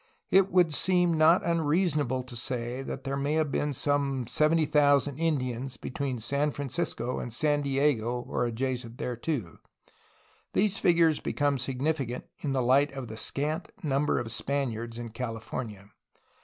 It would seem not unrea sonable to say that there may have been some 70,000 Indians between San Francisco and San Diego or adjacent thereto. These figures become significant in the light of the scant number of Spaniards in California.